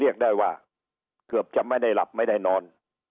เรียกได้ว่าเกือบจะไม่ได้หลับไม่ได้นอน